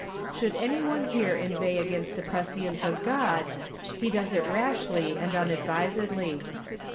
Should any one here inveigh against the prescience of God, he does it rashly and unadvisedly.